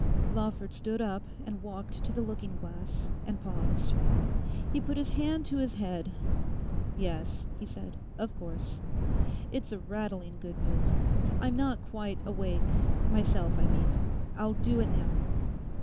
Lawford stood up and walked to the looking glass, and paused. He put his hand to his head, 'Yes,' he said, 'of course; it's a rattling good move. I'm not quite awake; myself, I mean. I'll do it now.